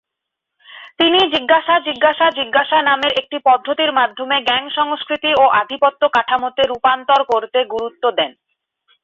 তিনি "জিজ্ঞাসা, জিজ্ঞাসা, জিজ্ঞাসা" নামের একটি পদ্ধতির মাধ্যমে "গ্যাং সংস্কৃতি ও আধিপত্য কাঠামো"-তে রুপান্তর করতে গুরুত্ব দেন।